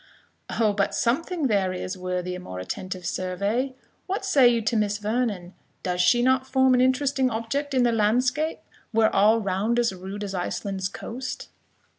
"O, but something there is, worthy a more attentive survey What say you to Miss Vernon? Does not she form an interesting object in the landscape, were all round as rude as Iceland's coast?"